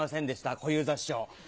小遊三師匠。